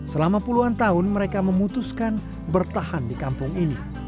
selama puluhan tahun mereka memutuskan bertahan di kampung ini